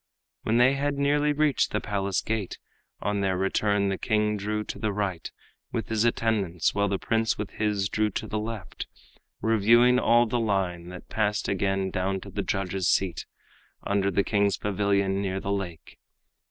When they had nearly reached the palace gate On their return, the king drew to the right With his attendants, while the prince with his Drew to the left, reviewing all the line That passed again down to the judges' seat, Under the king's pavilion near the lake.